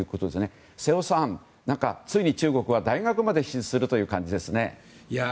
瀬尾さん、ついに中国は大学まで進出するという。